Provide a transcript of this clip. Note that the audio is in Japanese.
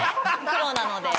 黒なので。